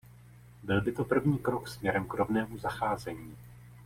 Byl by to první krok směrem k rovnému zacházení.